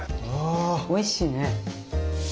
おいしいね。